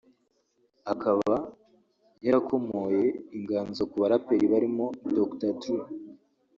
akaba yarakomoye inganzo ku baraperi barimo Dr Dre